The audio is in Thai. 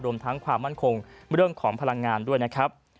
รวมทั้งความมั่นคงเรื่องของพลังงานด้วยนะครับ